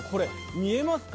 見えますか？